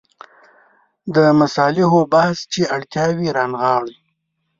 د مصالحو بحث چې اړتیاوې رانغاړي.